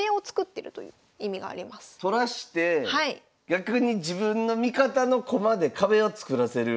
取らして逆に自分の味方の駒で壁を作らせる。